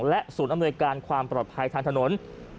และศูนย์อำนวยการความปลอดภัยทางถนน